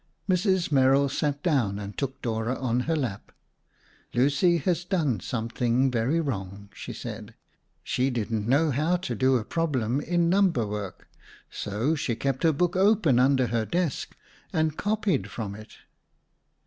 Mrs. Merrill sat down and took Dora on her lap. "Lucy has done something very wrong," she said. "She didn't know how to do a problem in number work, so she kept her book open under her desk and copied from it."